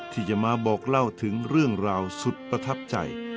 ที่จะมาบอกเล่าถึงเรื่องราวสุดประทับใจ